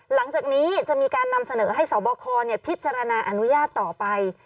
หลังจากนี้จะมีการนำเสนอให้สบคพิจารณาอนุญาตต่อไป